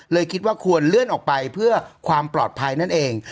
คิดว่าควรเลื่อนออกไปเพื่อความปลอดภัยนั่นเอง